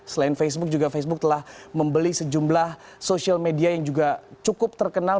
selain facebook juga facebook telah membeli sejumlah social media yang juga cukup terkenal